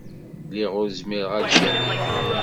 Lliɣ ur zmireɣ ad ggamiɣ.